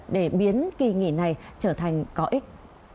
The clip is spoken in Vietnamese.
để biến kỳ nghỉ này trở thành có ích